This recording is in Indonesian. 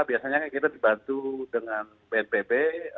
biasanya kita dibantu dengan bnpb